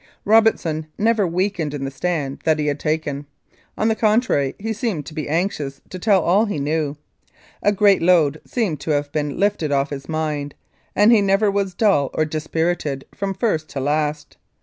Robertson never weakened in the stand that he had taken. On the contrary, he seemed to be anxious to tell all he knew. A great load seemed to have been lifted off his mind, and he never was dull or dispirited from first to last.